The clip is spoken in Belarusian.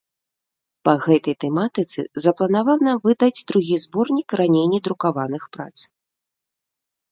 Па гэтай тэматыцы запланавана выдаць другі зборнік раней не друкаваных прац.